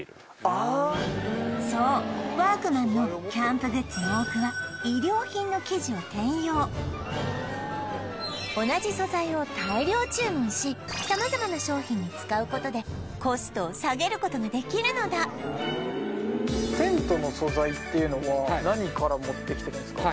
あそうワークマンのキャンプグッズの多くは同じ素材を大量注文し様々な商品に使うことでコストを下げることができるのだテントの素材っていうのは何から持ってきてるんですか？